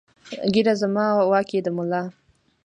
ږیره زما واک یې د ملا!